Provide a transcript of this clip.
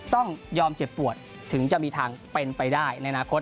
ต้องยอมเจ็บปวดถึงจะมีทางเป็นไปได้ในอนาคต